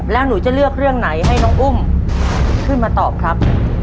แล้วหนูจะเลือกเรื่องไหนให้น้องอุ้มขึ้นมาตอบครับ